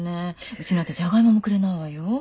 うちなんてジャガイモもくれないわよ。